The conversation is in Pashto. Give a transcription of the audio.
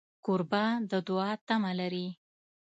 کوربه د دوعا تمه لري.